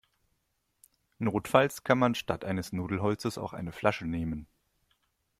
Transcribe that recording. Notfalls kann man statt eines Nudelholzes auch eine Flasche nehmen.